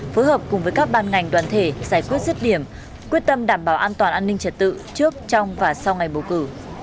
phối hợp cùng với các ban ngành đoàn thể giải quyết rứt điểm quyết tâm đảm bảo an toàn an ninh trật tự trước trong và sau ngày bầu cử